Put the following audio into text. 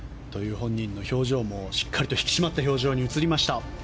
本人の表情もしっかり引き締まった表情に映りました。